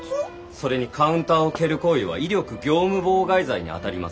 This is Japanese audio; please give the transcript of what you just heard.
それにカウンターを蹴る行為は威力業務妨害罪にあたります。